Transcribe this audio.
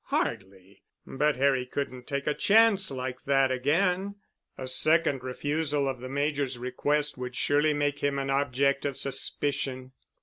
Hardly. But Harry couldn't take a chance like that again. A second refusal of the Major's request would surely make him an object of suspicion.